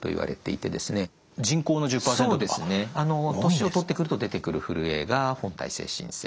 年を取ってくると出てくるふるえが本態性振戦。